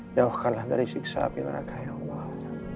jauhkanlah dari siksa api neraka ya allah